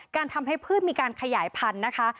ทำให้พืชมีการขยายพันธุ์นะคะ